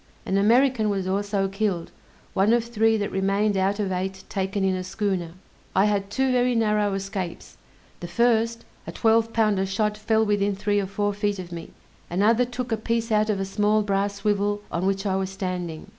An American was also killed, one of three that remained out of eight taken in a schooner. I had two very narrow escapes: the first, a twelve pounder shot fell within three or four feet of me; another took a piece out of a small brass swivel on which I was standing.